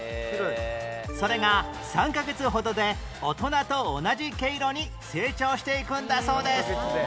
それが３カ月ほどで大人と同じ毛色に成長していくんだそうです